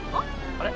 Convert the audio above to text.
あれ？